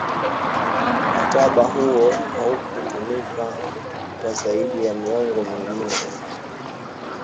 mkataba huo haukutumika kwa zaidi ya miongo minne